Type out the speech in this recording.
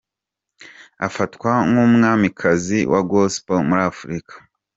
Afatwa nk'umwamikazi wa Gospel muri Afrika.